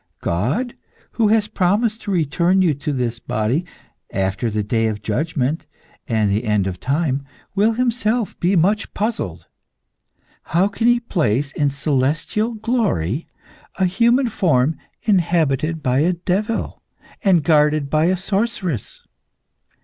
God, who has promised to return you this body after the day of judgment and the end of time, will Himself be much puzzled. How can He place in celestial glory a human form inhabited by a devil, and guarded by a sorceress?